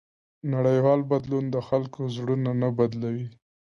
نړیوال بدلون د خلکو زړونه نه بدلوي.